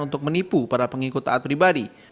untuk menipu para pengikut taat pribadi